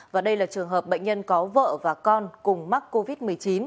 và đây là trường hợp bệnh nhân có vợ và con cùng mắc covid một mươi chín